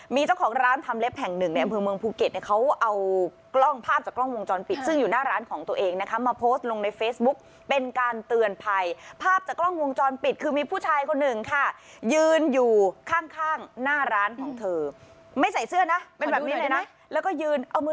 มีเจ้าของร้านทำเล็บแห่งหนึ่งในอำเภอเมืองภูเก็ตเนี่ยเขาเอากล้องภาพจากกล้องวงจรปิดซึ่งอยู่หน้าร้านของตัวเองนะคะมาโพสต์ลงในเฟซบุ๊กเป็นการเตือนภัยภาพจากกล้องวงจรปิดคือมีผู้ชายคนหนึ่งค่ะยืนอยู่ข้างข้างหน้าร้านของเธอไม่ใส่เสื้อนะเป็นแบบนี้เลยนะแล้วก็ยืนเอามือ